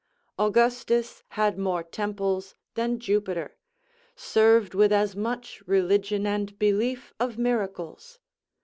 Augustus had more temples than Jupiter, served with as much religion and belief of miracles.